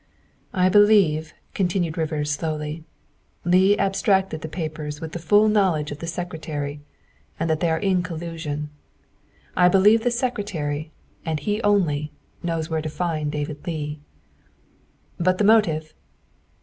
" I believe," continued Rivers slowly, " Leigh ab stracted the papers with the full knowledge of the THE SECRETARY OF STATE 199 Secretary, and that they are in collusion. I believe the Secretary, and he only, knows where to find David Leigh." " But the motive?"